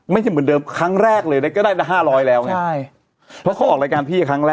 เมื่อเลขมันคล้าย